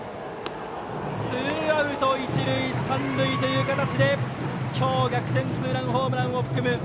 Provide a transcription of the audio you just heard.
ツーアウト一塁三塁という形で今日逆転ツーランホームランを含む